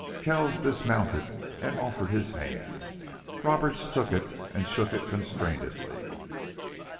Kells dismounted and offered his hand. Roberts took it and shook it constrainedly.